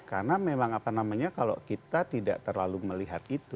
karena memang apa namanya kalau kita tidak terlalu melihat itu